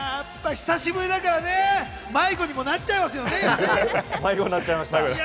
久しぶりだからね、迷子になっちゃいますよね。